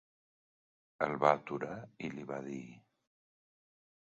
...el va aturar i li va dir: